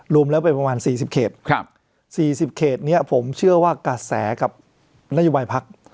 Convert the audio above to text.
รวมแล้วเป็นประมาณ๔๐เขต๔๐เขตนี้ผมเชื่อว่ากระแสกับนโยบายพัก